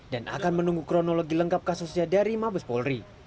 dan akan menunggu kronologi lengkap kasusnya dari mabes polri